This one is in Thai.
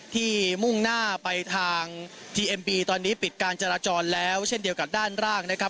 มุ่งหน้าไปทางทีเอ็มบีตอนนี้ปิดการจราจรแล้วเช่นเดียวกับด้านล่างนะครับ